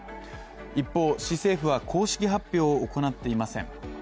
一方、市政府は公式発表を行っていません。